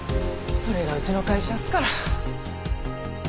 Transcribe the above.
それがうちの会社っすから。